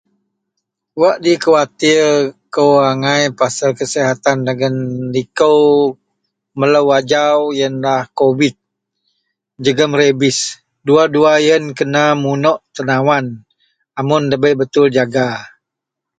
Wak dikhuatir kou angai pasel kasihatan dagen liko melo ajau iyenlah kobik jegem rabbis dua-dua iyen kena munok tenawan amun da betul jaga.